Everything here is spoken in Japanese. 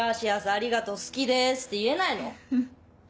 ありがとう好きです」って言えないの？